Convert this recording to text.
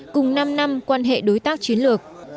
cùng năm năm quan hệ đối tác chiến lược